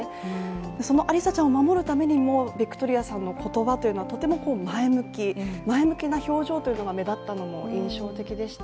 そのアリサちゃんを守るためにもビクトリアさんの言葉は前向き、前向きな表情というのが目立ったのも印象的でした。